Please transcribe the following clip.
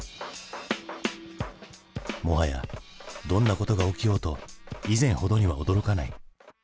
もはやどんなことが起きようと以前ほどには驚かない。